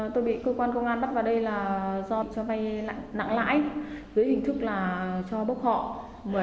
tôi bị cơ quan công an bắt vào đây là giọt cho vay nặng lãi dưới hình thức là cho bốc họ